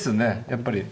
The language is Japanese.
やっぱり。